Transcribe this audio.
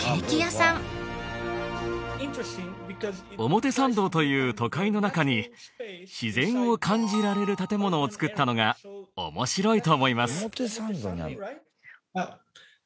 表参道という都会の中に自然を感じられる建ものを造ったのが面白いと思います。